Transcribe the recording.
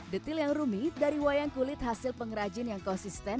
detil yang rumit dari wayang kulit hasil pengrajin yang konsisten